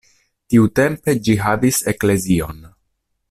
Tiutempe ĝi havis eklezion.